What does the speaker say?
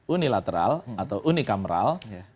unilateral atau unikameral